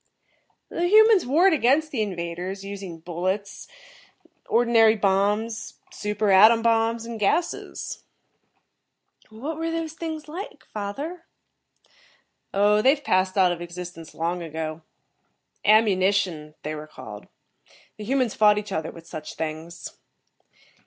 "The humans warred against the invaders, using bullets, ordinary bombs, super atom bombs and gases." [Illustration: Illustrator: A. Lake] "What were those things like, father?" "Oh, they've passed out of existence long ago. 'Ammunition' they were called. The humans fought each other with such things."